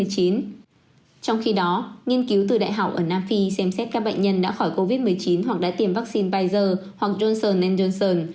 trong khi đó nghiên cứu từ đại học ở nam phi xem xét các bệnh nhân đã khỏi covid một mươi chín hoặc đã tìm vaccine pizer hoặc johnson johnson